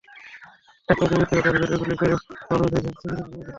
একপর্যায়ে দুর্বৃত্তরা তাঁর পেটে গুলি করে ফলবোঝাই ভ্যান ছিনিয়ে নিয়ে যায়।